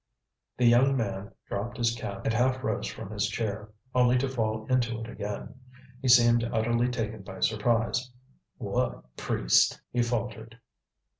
The young man dropped his cap and half rose from his chair, only to fall into it again. He seemed utterly taken by surprise. "What priest?" he faltered.